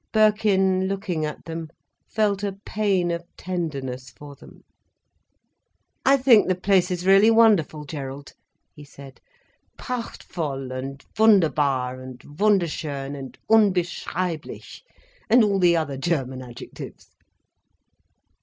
Birkin, looking at them, felt a pain of tenderness for them. "I think the place is really wonderful, Gerald," he said; "prachtvoll and wunderbar and wunderschön and unbeschreiblich and all the other German adjectives."